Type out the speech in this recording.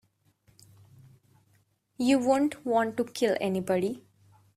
You wouldn't want to kill anybody.